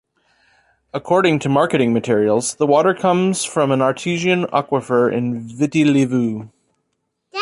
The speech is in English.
According to marketing materials, the water comes from an artesian aquifer in Viti Levu.